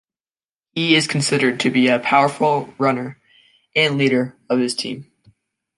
He is considered to be a powerful runner and leader of his team.